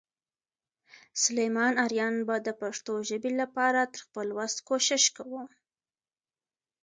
سلیمان آرین به د پښتو ژبې لپاره تر خپل وس کوشش کوم.